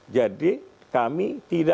jadi kami tidak menjadikan